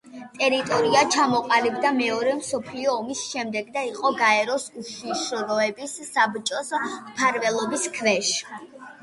ტერიტორია ჩამოყალიბდა მეორე მსოფლიო ომის შემდეგ და იყო გაეროს უშიშროების საბჭოს მფარველობის ქვეშ.